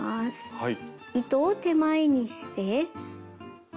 はい。